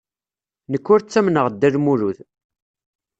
Nekk ur ttamneɣ Dda Lmulud.